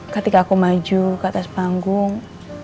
ketika aku maju ke atas panggung